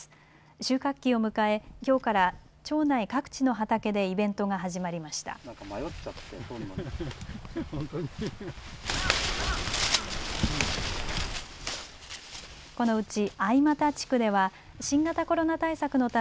収穫期を迎え、きょうから町内各地の畑でイベントが始まりました。